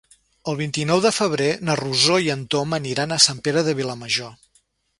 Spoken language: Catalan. El vint-i-nou de febrer na Rosó i en Tom aniran a Sant Pere de Vilamajor.